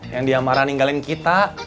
yang dia marah ninggalin kita